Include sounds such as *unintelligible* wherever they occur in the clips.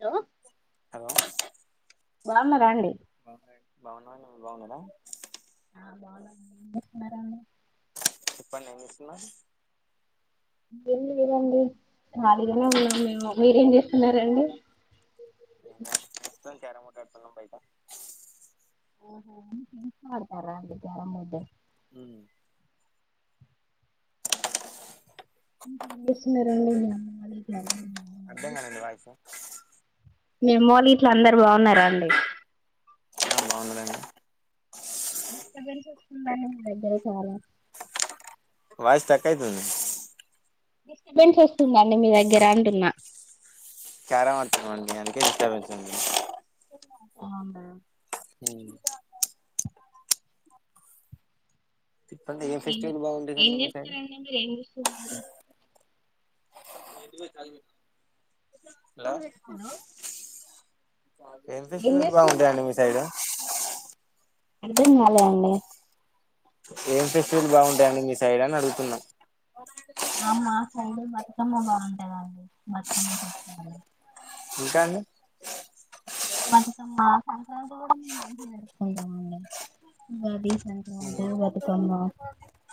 లో హలో బాగున్నరాండి బాగున్నా మీరు బాగున్నారా ఆ బా బాన్నారందరు ఇప్ప నేమిచే స్తున్నా ఎమి లేదండి ఖాళీగా నే ఉన్నాం మేము మీరేం చేస్తున్నారండి రం క్యారం బోర్డు ఆడుతున్నాం బయట డతరండి క్యారం బోర్డు ఉ లుసున్నా రండి అ *unintelligible* అర్థం కాలేదు వాయిస్ మీ అమ్మ వళ్ళు ఇట్ల అందరు బాగున్నారా అండి హ బాగున్నారండి దగ్గరికికోస్తున్నా మా దగ్గర చాలా వాయిస్ స్ట్రక్అయితుంది డిస్టబెన్స్ వస్తుందండి మీ దగ్గర అంటున్నా క్యారం ఆడుతున్నాం అండి అందుకే డిస్టర్బన్స్ ఉంది అవునా ఉ చెప్పండి ఏం ఫెస్టివల్ ఏం బాగుంటుందండి మీ సైడ్ చెస్తారండి మీరు ఏం డిగ్రీ నందుకో ఉంది హలో ఖాళీగా లో ఏం ఫెస్టివల్ చేస్తూ బాగుంటయి అండి ఉంటారు మీ సైడ్ అర్థం కాలే అండి ఏం ఫెస్టివలు బాగుంటాయి అం మీ సైడ్ అని అడుగుతున్నాం మా అమ్మ అండి బతుకమ్మ బాగుంటుదండి బతుకమ్మ ఇంకాండి బంధం మాకుంటది డిమ్ పట్టుకొమ్మా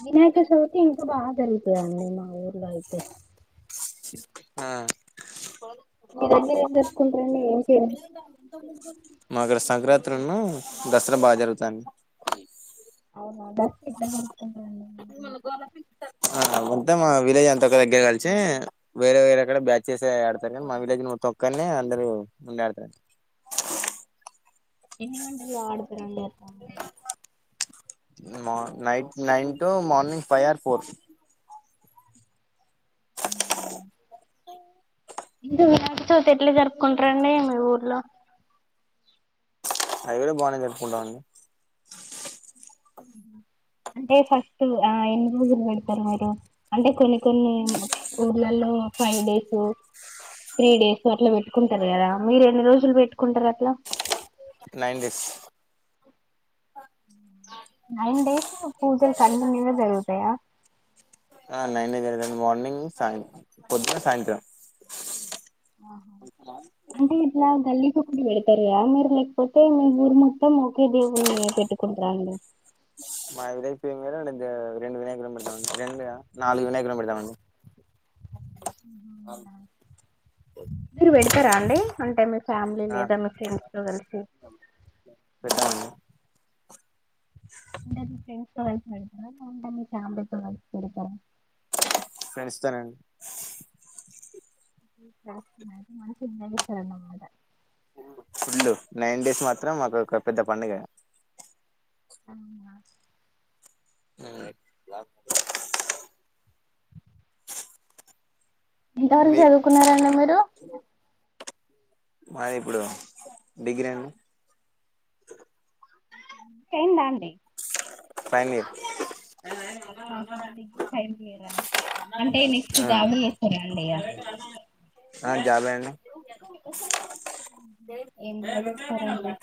వినాయక చవితి ఇంకా బాగా జరుగతదండి మా ఊర్లో అయితే ఆ మీరేం ఎన్ని వేసుకొంటరండి ఏం చీరలు మాకు సంక్రాంత్రి అన్న దసరా బాగా జరుగుతాంది అవునా *unintelligible* వుంటాం మా విలేజ్ అంత దగ్గర కలిసి వేరే వేరే ఎక్కడ బ్యాచ్ చేసి ఆడతారు కానీ మా విలేజ్ తొక్కనే అందరు ఉండి ఆడతారు ఎన్ని గంటలు ఆడుతారండీ మో night nine to morning five or four మీరు వినాయకచవితి ఎట్లా జరుపుకుంటారండి మీ ఊర్లో అవి కూడా బాగనే జరుపుకుంటమండి *inaudible* అంటే ఫస్ట్ ఆ ఎన్ని రోజులు పెడతారు మీరు కొన్ని కొన్ని ఊర్లలో ఫైవ్ డేస్ త్రీ డేస్ అట్లా పెట్టుకుంటారు కదా మీరు ఎన్ని రోజులు పెట్టుకుంటారు అట్లా నైన్ డేస్ నైన్ డేసు పూజలు కనువిందుగా జరుగు అయా ఆ నైన్ దగ్గర దాని *inaudible* మార్నింగ్ సాయ పొద్దున సాయంత్రం ఆహా అంటే ఇట్లా గల్లికో పెడతారయా మీరు లేకపోతే మీ ఊరు మొత్తం ఒకే దేవుని పెట్టుకుంటర అండి మాదై పేరు మీద రండు వినయకులం పెడతామండి రెండా నాలుగు వినాయకులు పెడతామండి మీరు పెడత రా అండి అంటే మీరు ఫ్యామిలీ ఆ లేదా మీ ఫ్రెండ్స్ తో కలిసి పెట్టామండి ఉంటన్న వ ఉంటన్నీ తామత వ ఎడుక్క *unintelligible* *inaudible* ఫ్రెండ్స్ తోనే అండి *inaudible* మనసున్న విచారణ మాట ఫుల్ నైన్ డేస్ మాత్రం మాకు ఒక పెద్ద పండుగ అవునా ఉమ్ ఎంతవరకు మీ చదువుకున్నారండి మీరు మాదిప్పుడు డిగ్రీ అండి టైమ్ బాంది ఫైనల్ ఇయర్ ఆహా టైమ్ క్లియరా ఆ అండి ఇగ ఆ జాబే అండి ఉమ్ ఎంత చేస్తారండి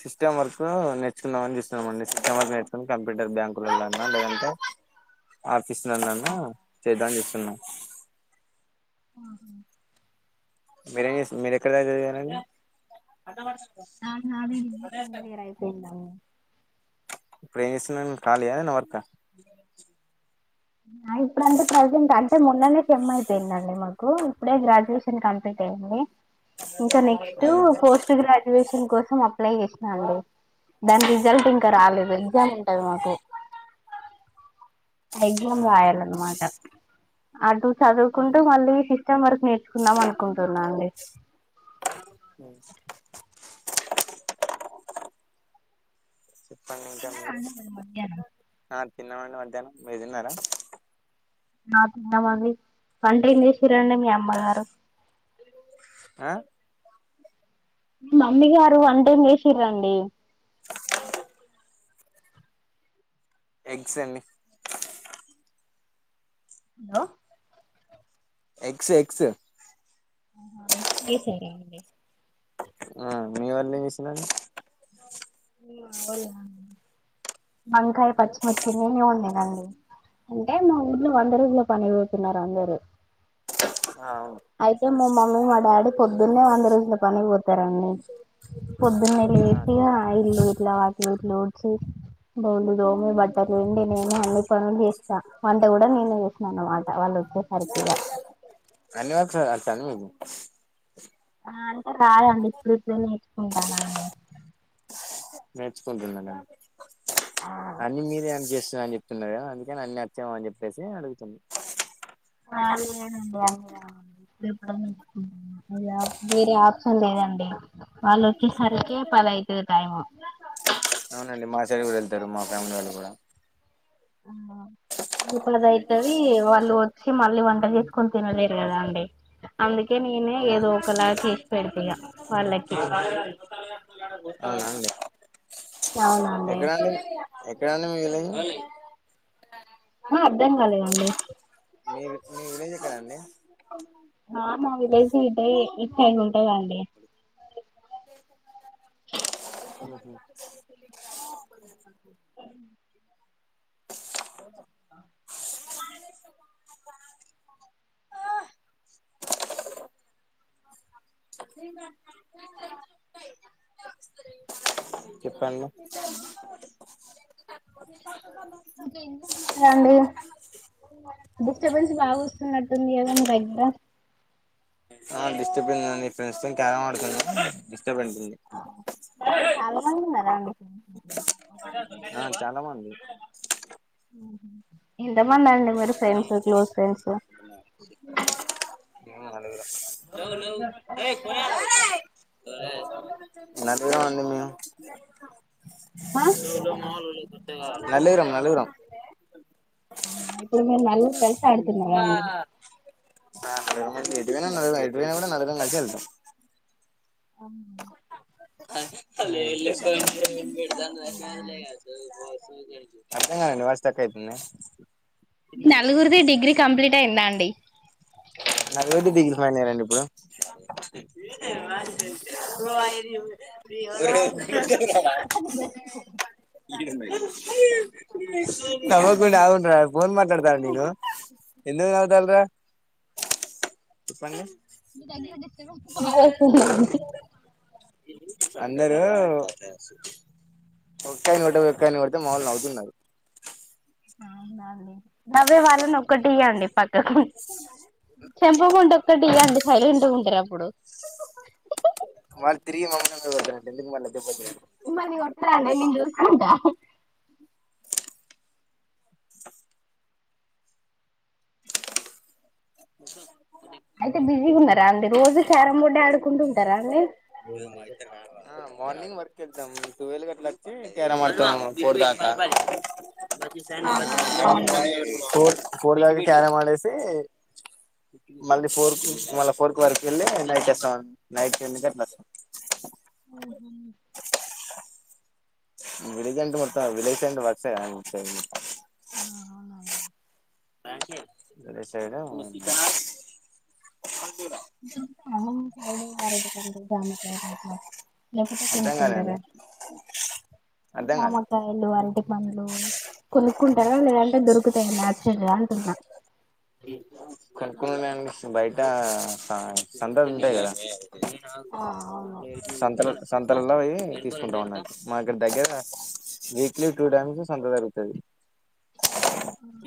సిస్టమ్ వర్క్ నేర్చకుందామని చస్తున్నామండి సిస్టమ్ వర్క్ నేర్చుకుని కంప్యూటర్ బ్యాంకుల ల్లో అన్నా లేదంటే ఆఫీసులో నన్ను చేద్దామని చె ఉమ్ ఆహా మీరేమ్ మీరెక్కడి దాకా చదివారండి న నాది *inaudible* సెకండియరయిపోయిందండి ఇపుడేమ్ చేస్తున్నా రండి కాలి యా ఏదన్న వర్క ఇప్పుడు అంటే ప్రెజెంట్ అ అయితే మొన్ననే సెమ్మయిపోయిందండి మాకు ఇప్పుడే గ్రాడ్యుయేషన్ కంప్లీట్ అయ్యింది ఇంకా నెక్స్ట్ ఉమ్ పోస్ట్ గ్రాడ్యుయేషన్ కో *inaudible* అప్లై చేసినా అండి డన్ *inaudible* రిజల్ట్ ఇంకా ఆ రాలేదు, ఎగ్జామ్ తే మాకు ఎగ్జామ్ రాయాలన్న మాట అటు చదువుకుంటూ మళ్ళీ సిస్టమ్ వర్క్ నేర్చుకున్నాం అనుకుంటున్నా అండి. ఉమ్ చెప్పండి తిన్నర అండి మరి మధ్యానం తిన్నమండి మధ్యానం మీరు తిన్నారా నా తన్నామంది వంటేంసేసిరండి, మీ అమ్మగారు ఆ మమ్మీ గారు వంటేం చేసిరండి. *inaudible* ఎగ్స్ అండి లో ఎక్స్ ఎక్స్ ఏక్కిస్ అండి ఆ మీ వాళ్ళెం చేసినండి మా వాళ్ళా వంకాయ పచ్చిమిర్చి నేనేవండినండి, అంటే మా ఊళ్లో వందరోజులో పనిపోతున్నారు అందరు ఆ అవును అయితే మా మమ్మీ మా డాడీ పొద్దున్నే వంద రోజుల పని పోతారండి, పొద్దున్నే ఆ ఏసి ఆయిల్లు ఇట్లా వాకి ఇట్లుడ్చి బోలు దోమి బట్టలపిండి నేనే అన్ని పనులు చేస్తా, వంట కూడా నేనే చేస్నా అనమాట వాళ్ళు వచ్చే సరికి అన్ని వర్క్స్ అత్తంన్ మీకు అంటే రాదండి, ఇప్పుడే ఇప్పుడే నేర్చుకుంటానాండి. నేర్చుకుంటున్నా నేను అన్ని మీరే ఏం చేస్ అని చెప్తున్నారా, అందుకే నన్ని అచ్చమో అని చెప్పేసి అడుగుతున్ వాల్యు లేదండి, *unintelligible* ఇప్పుడే పని ఎక్కువుంది. వేరే ఆప్షన్ లేదండి వాళ్ళు వచ్చేసరికే పది అయితది టైము అవునండి, మా సైడ్ కూడా ఎళ్తారు మా ఫ్యామిలీ వాళ్ళు కూడా ఇప్పుడయితది వాళ్ళు వచ్చి మళ్ళీ వంట చేసుకొని తినలేరు కదా అండి. అందుక్ కే నేనే ఏదో ఒకలా చే పెడత ఇగ వాళ్ళకి స్త అవునా అండి ఎక్కడండి ఎక్కడండి మీ విలే ఒలె హా అర్థం కాలేదండి. మీ వె మీ విలేజ్ ఎక్కడ అండి. ఆ మా విలే ఇటయ్ ఇట్ సైడ్ ఉంటదండి. ఉమ్ ఉమ్ ఆ చెప్పంది యి హాయ్ అండి డిస్టర్బెన్స్ బాగా వస్తున్నట్టుంది కదా. ప్రజ్ఞ ఆ డిస్టర్బెన్స్ ఆ ఫ్రెండ్స్తోని తార ఆడుతున్నా డిస్టర్బెన్స్ ఉంది చాలా మంది ఉన్నారా అండి ఆ చాలా మంది ఉహ్ ఉమ్ ఎంతమంది అండి మీరు ఫ్రెండ్స్ క్లోజ్ ఫ్రెండ్స్? నలుగురం నలుగురం అండి మేం ఆ నలుగురం నలుగురం ఇప్పుడు మీరు నలుగుర్ కాల్ ఆ నలుగురం అయితే ఇంటికి పోయినక చదువుడే ఎటు పోయినా కూడా నలుగురం కలిసే వెళ్తాం. హమ్ అ అర్థం కాలేదు *unintelligible* సెట్ అయిపోయిందా మీ నలుగురిది డిగ్రీ కంప్లీట్ అయిందా అండి? *unintelligible* ఏ నమండి ఆంట రవ్ ఫోన్ మాట్లాడాతన నేను ఎందుకు నవ్తన్లురా చెప్పండి ఒకే అండి అందరూ కుకని *unintelligible* కొడితే మా ఒళ్ళు అవుతున్నారు అవునండీ నవ్వే వాళ్ళను ఒక్కటి ఇయండి. పక్కకు చెంపపోంటి ఒక్కటి ఇయండి సైలెంట్ ఉంటరు అప్పుడు వాళ్లు తిరిగి మమ్మల్ని కోడతరు ఎందుకు మళ్ళీ దెబ్బలు తినడం మిమ్మల్ని కొట్టారండి. నేను చూసుకుంటా అయితే బిజీ ఉన్నారా అండి. రోజు క్యారం బోర్డే ఆడుకుంటు ఉంటారా అండి. ఏమైతే రావా. Morning work కెళ్తాం. టువెల్ కి అట్లా వచ్చి క్యారం ఆడతానం. ఫోర్ దాకా ఆ ఫోర్ ఫోర్ దాకా క్యారం ఆడేసి. మళ్ళీ ఫోర్క్ మళ్ళీ ఫోర్ కి వర్క్ కి వెళ్ళి నైట్ వస్తాం. నైట్ టెన్ కి అట్లాస్తాం. *inaudible* విలేజ్ అంటే మొత్తం విలేజండ్ వర్క్ సె కదా మొ- ఆ అవున్నా. విలేజ్ సైడ్ అరటి పండు దానిమ్మకాయ అట్లా లేకపోతే అర్ధం కొనుక్కుంటారా. కాలేండి అర్ధం కాలే జామకాయలు, అరటి పండ్లు కొను- కొంటారా లేదంటే దొరుకుతాయ నాచురల్ గా అంటున్నా. కొనుక్కునుడే అండి. బయట స సంతలు ఉంటయి కాదా. ఆ అవును సంత- సంతలలో పోయి తీసుకుంటాం అన్నట్టు. మా దగ్గర వీక్లీ టూ టైమ్స్ సంత జరుగుతది.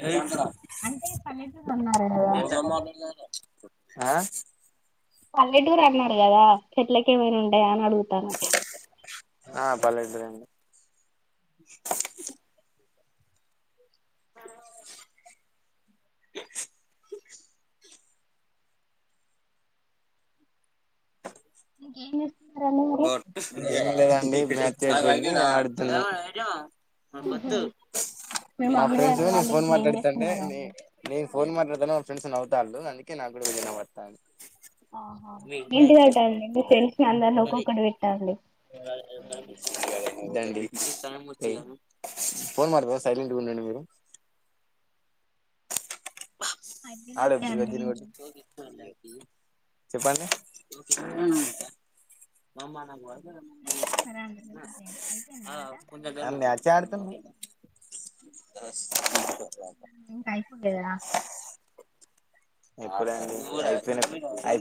ఏమా అంటే పల్లెటూరు అన్నారు కదా ఆ పల్లెటూరు అన్నారు కదా. చెట్లకి ఏమైనా ఉంటాయా అని అడుగుతాను ఆ పర్లేదు లేండి. *inaudible* ఇంకేం చేస్తా- ఏం లేదండి. ఆడుతున్నా మీ యో మా మమ్మీ ఫ్రెండ్స్ నేను వాళ్ళు ఫోన్ ఇట్లా ఏం మాట్లాడుతుంటే చేస్తున్నారండి నేను ఫోన్ మాట్లాడుతున్న మా ఫ్రెండ్స్ నవ్వుతాళ్ళు. అందుకే నాకుడ వినబడతాంది. ఆహా ఏంటిదటఅండి మీ ఫ్రెండ్స్ అందర- సరే. సర- వదండి. ఫోన్ మాట్లాడుతాన సైలెంట్గా ఉండండి మీరు. ఆడ అయిపోయినట్టే అద్దు ఈడ అండి దీన్ని కొట్టు చెప్పండి మమ్ మా నాకు ఫ్రీగానే ఉన్నారా అందరితోటి అయిపోయిందా ఆట. అన్ని అచ్చే ఆడుతుంది ఇంకా అయిపోలేదా ఎప్పుడండి అయిపోయినై అయ్